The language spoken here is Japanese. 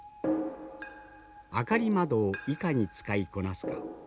明り窓をいかに使いこなすか。